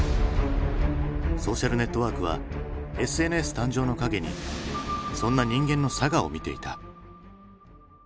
「ソーシャル・ネットワーク」はＳＮＳ誕生の陰にそんな人間の性を見ていた。